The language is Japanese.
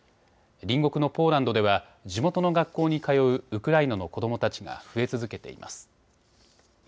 隣国のポーランドでは地元の学校に通うウクライナの子どもたちが増え続けています。